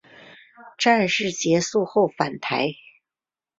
战事结束后返台。